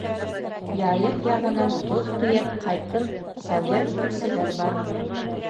Яйыҡ яғынан тоҙ тейәп ҡайтып сауҙа итеүселәр бар.